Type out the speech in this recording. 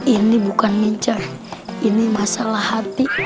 ini bukan mica ini masalah hati